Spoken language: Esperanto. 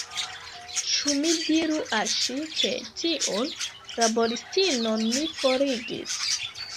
Ĉu mi diru al ŝi, ke tiun laboristinon mi forigis?